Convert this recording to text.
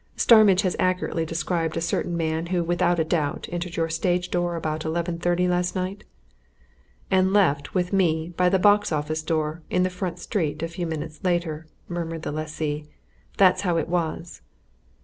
Starmidge has accurately described a certain man who without doubt entered your stage door about eleven thirty last night " "And left, with me, by the box office door, in the front street, a few minutes later," murmured the lessee. "That's how it was."